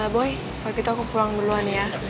boy kalau gitu aku pulang duluan ya